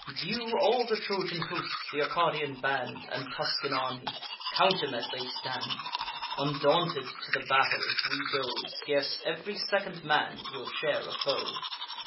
View all the Trojan host, th' Arcadian band, And Tuscan army; count 'em as they stand: Undaunted to the battle if we go, Scarce ev'ry second man will share a foe.